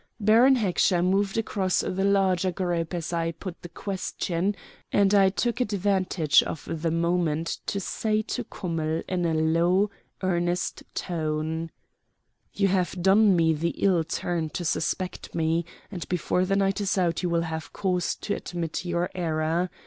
Baron Heckscher moved across to the larger group as I put the question, and I took advantage of the moment to say to Kummell in a low, earnest tone: "You have done me the ill turn to suspect me, and before the night is out you will have cause to admit your error.